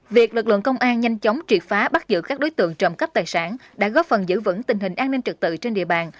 việc lực lượng công an nhanh chóng triệt phá bắt giữ các đối tượng trộm cắp tài sản đã góp phần giữ vững tình hình an ninh trực tự trên địa bàn